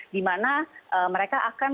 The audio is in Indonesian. dimana mereka akan